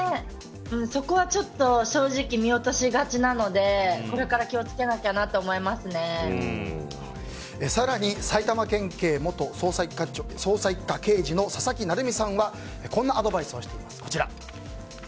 そこはちょっと正直見落としがちなのでこれから更に、埼玉県警捜査１課刑事の佐々木成三さんはこんなアドバイスをしています。